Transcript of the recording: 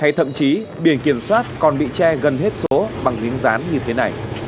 hay thậm chí biển kiểm soát còn bị che gần hết số bằng viếng rán như thế này